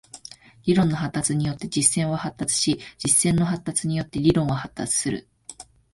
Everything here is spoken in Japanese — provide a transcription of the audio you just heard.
理論の発達によって実践は発達し、実践の発達によって理論は発達する。